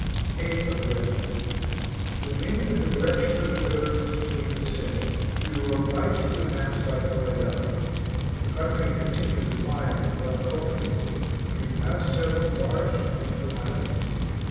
8th of Rebi. The wind and the direction of the river continuing the same, we were obliged to advance by the cordel. The country continued fine and well cultivated, and we passed several large and beautiful islands.